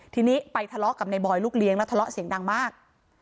ทีนี้ไปทะเลาะกับในบอยลูกเลี้ยงแล้วทะเลาะเสียงดังมาก